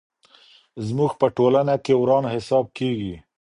زموږ په ټولنه کي وران حساب کېږي.